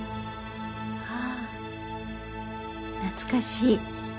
ああ懐かしい。